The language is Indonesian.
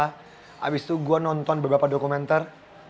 habis itu gue nonton beberapa dokumenter